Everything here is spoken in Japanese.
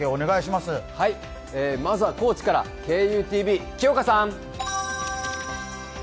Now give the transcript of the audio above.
まずは高知からＫＵＴＶ木岡さん。